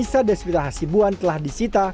nisa dan sepitahasibuan telah disita